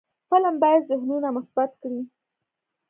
فلم باید ذهنونه مثبت کړي